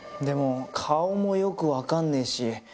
でも顔もよく分かんねえし。